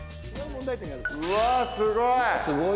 うわすごい！